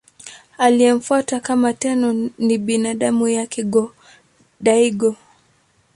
Aliyemfuata kama Tenno ni binamu yake Go-Daigo.